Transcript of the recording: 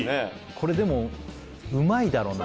これでもうまいだろうな